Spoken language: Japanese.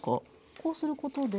こうすることで。